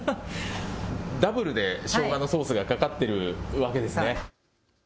ダブルでしょうがのソースがかかっているわけですね。